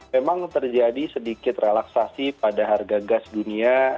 memang terjadi sedikit relaksasi pada harga gas dunia